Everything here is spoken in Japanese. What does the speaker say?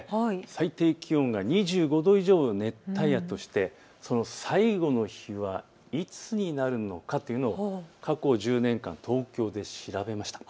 最低気温が２５度以上を熱帯夜としてその最後の日はいつになるのかというのを、過去１０年間、東京で調べました。